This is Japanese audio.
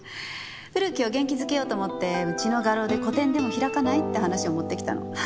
古木を元気づけようと思ってうちの画廊で個展でも開かない？って話を持ってきたの。